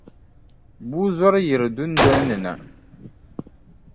Bua zɔri yiri dundolini na.